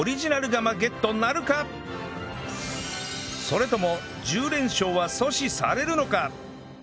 それとも１０連勝は阻止されるのか？